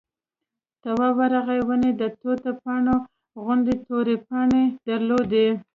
تواب ورغی ونې د توت پاڼو غوندې تورې پاڼې درلودې.